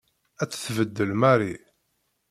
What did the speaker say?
Ad tt-tbeddel Mary.